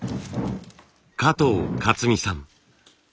加藤勝巳さん。